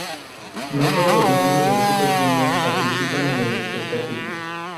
No todos los miembros de Super Junior participan en el espectáculo.